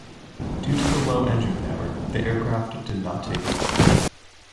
Due to the low engine power, the aircraft did not take off.